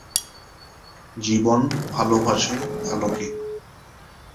জীবন ভালোবাসে আলোকে।